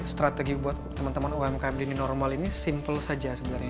strategi buat teman teman umkm di new normal ini simpel saja sebenarnya